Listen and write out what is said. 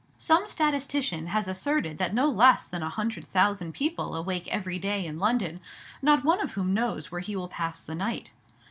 Some statistician has asserted that no less than a hundred thousand people awake every day in London, not one of whom knows where he will pass the night.